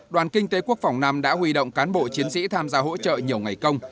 đoàn kinh tế quốc phòng nam đã huy động cán bộ chiến sĩ tham gia hỗ trợ nhiều ngày công